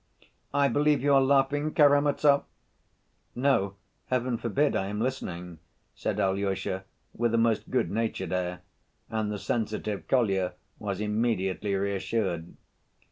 I believe you are laughing, Karamazov?" "No, Heaven forbid, I am listening," said Alyosha with a most good‐natured air, and the sensitive Kolya was immediately reassured.